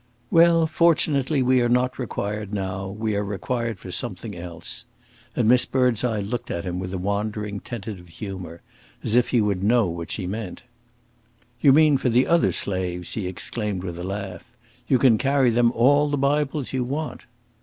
"Well, fortunately, we are not required now; we are required for something else." And Miss Birdseye looked at him with a wandering, tentative humour, as if he would know what she meant. "You mean for the other slaves!" he exclaimed, with a laugh. "You can carry them all the Bibles you want."